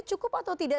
cukup atau tidak